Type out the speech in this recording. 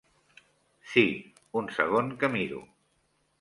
Sí, un segon que miro.